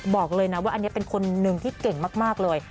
บอกเลยนะว่าอันนี้เป็นคนหนึ่งที่เก่งมากเลย